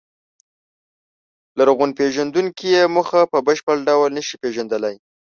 لرغونپېژندونکي یې موخه په بشپړ ډول نهشي پېژندلی.